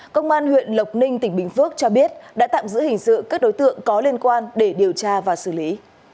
công an huyện lộc ninh tỉnh bình phước cho biết đã tạm giữ hình sự các đối tượng có liên quan để điều tra và xử lý